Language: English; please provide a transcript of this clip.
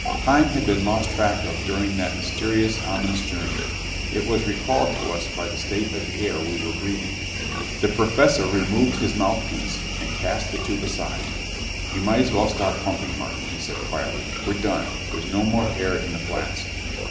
Time had been lost track of during that mysterious, ominous journey. It was recalled to us by the state of the air we were breathing. The Professor removed his mouthpiece and cast the tube aside. "You might as well stop pumping, Martin," he said quietly. "We're done. There's no more air in the flask."